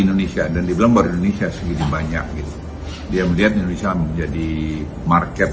indonesia dan dibilang baru indonesia segini banyak gitu dia melihat indonesia menjadi market